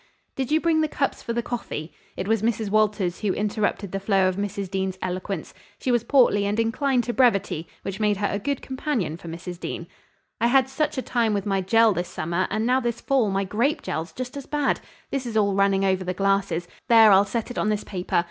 "Did you bring the cups for the coffee?" It was Mrs. Walters who interrupted the flow of Mrs. Dean's eloquence. She was portly and inclined to brevity, which made her a good companion for Mrs. Dean. "I had such a time with my jell this summer, and now this fall my grape jell's just as bad. This is all running over the glasses. There, I'll set it on this paper.